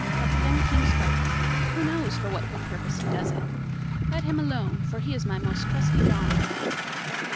But the young King spoke: "Who knows for what good purpose he does it? Let him alone, he is my most trusty John."